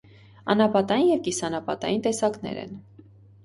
Անապատային և կիսաանապատային տեսակներ են։